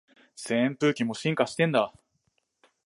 扇風機も進化してんだ